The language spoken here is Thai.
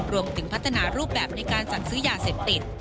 รวมถึงพัฒนารูปแบบในการจัดซื้อยาเสพติด